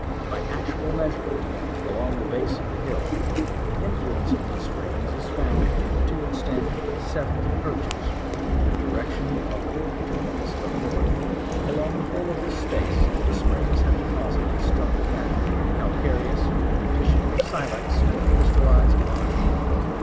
By actual measure ment along the base of the hill the influence of the springs is found to extend seventy perches, in a direction a little to the east of north: along the whole of this space the springs have deposited stony matter, calcareous with an addition of silex or cryitallized lime.